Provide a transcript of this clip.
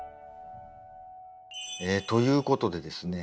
ということでですね